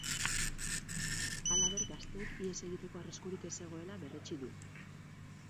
Halaber, gazteek ihes egiteko arriskurik ez zegoela berretsi du.